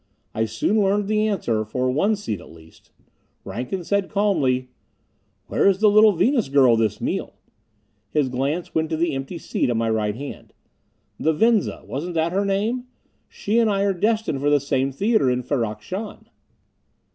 I soon learned the answer for one seat at least. Rankin said calmly: "Where is the little Venus girl this meal?" His glance went to the empty seat at my right hand. "The Venza wasn't that her name? She and I are destined for the same theater in Ferrok Shahn."